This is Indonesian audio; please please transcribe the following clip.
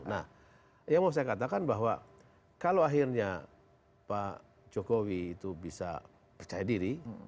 nah yang mau saya katakan bahwa kalau akhirnya pak jokowi itu bisa percaya diri